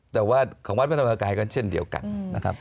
แต่ว่าของวัดพระธรรมกายก็เช่นเดียวกันนะครับ